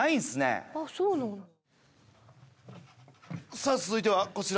さあ続いてはこちら。